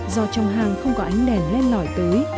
do trong hang không có ánh đèn len lỏi tới